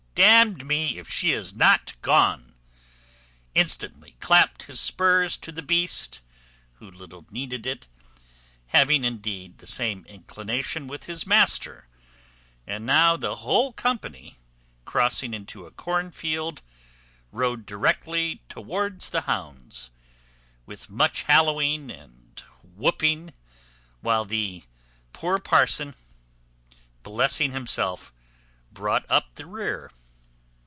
Damn me if she is not gone!" instantly clapped spurs to the beast, who little needed it, having indeed the same inclination with his master; and now the whole company, crossing into a corn field, rode directly towards the hounds, with much hallowing and whooping, while the poor parson, blessing himself, brought up the rear.